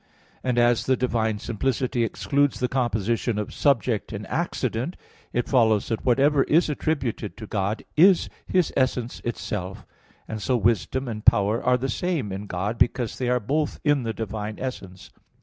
And as the divine simplicity excludes the composition of subject and accident, it follows that whatever is attributed to God, is His essence Itself; and so, wisdom and power are the same in God, because they are both in the divine essence.